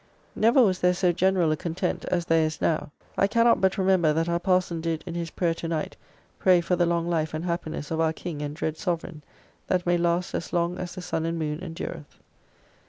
Never was there so general a content as there is now. I cannot but remember that our parson did, in his prayer to night, pray for the long life and happiness of our King and dread Soveraign, that may last as long as the sun and moon endureth.